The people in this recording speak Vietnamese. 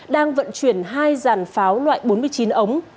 đang vận chuyển hai dàn pháo loại bốn mươi chín ống